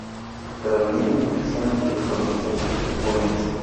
Prevenir la infección entre los adolescentes y los jóvenes.